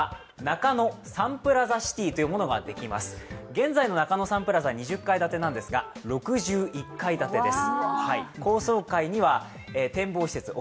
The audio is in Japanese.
現在の中野サンプラザは２０階建ですが、６１階建てになります。